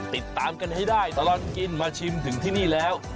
ติดตามกันให้ได้ตลอดกินมาชิมถึงที่นี่แล้ว